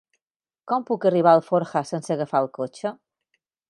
Com puc arribar a Alforja sense agafar el cotxe?